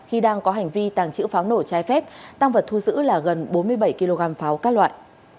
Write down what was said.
khi đang có hành vi tàng trữ pháo nổ trái phép tăng vật thu giữ là gần bốn mươi bảy kg pháo các loại